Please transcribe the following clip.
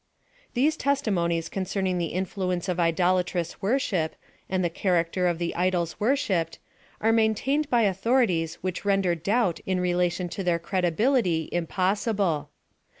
These testimonies concerning the influence of idolatrous worship, and the character of the idols worshipped, are maintained by authorities which render doubt in relation to their credibility impossi ble.